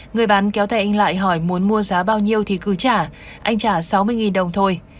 người bán kéo tay anh lại hỏi muốn mua giá bao nhiêu thì cứ trả anh trả sáu mươi đồng thôi